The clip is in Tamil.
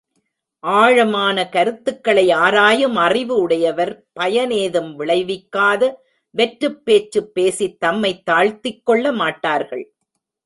ஆழமான கருத்துகளை ஆராயும் அறிவு உடையவர் பயன் ஏதும் விளைவிக்காத வெற்றுப் பேச்சுப் பேசித் தம்மைத் தாழ்த்திக்கொள்ள மாட்டார்கள்.